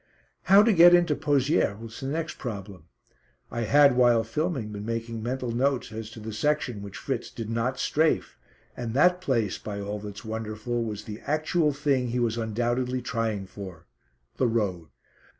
How to get into Pozières was the next problem. I had, while filming, been making mental notes as to the section which Fritz did not "strafe," and that place, by all that's wonderful, was the actual thing he was undoubtedly trying for the road.